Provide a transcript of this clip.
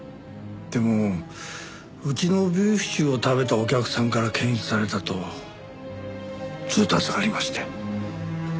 でもうちのビーフシチューを食べたお客さんから検出されたと通達がありまして。